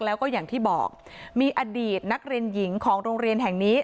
แล้วก็อย่างที่บอกมีอดีตนักเรียนหญิงของโรงเรียนแห่งนี้